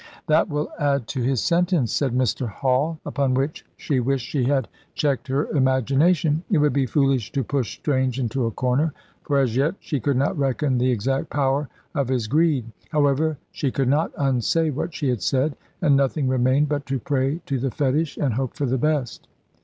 "That will add to his sentence," said Mr. Hall, upon which she wished she had checked her imagination. It would be foolish to push Strange into a corner, for as yet she could not reckon the exact power of his greed. However, she could not unsay what she had said, and nothing remained but to pray to the fetish and hope for the best.